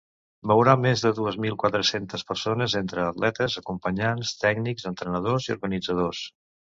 Mourà més de dues mil quatre-centes persones, entre atletes, acompanyants, tècnics, entrenadors i organitzadors.